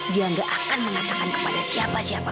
dia gak akan mengatakan kepada siapa siapa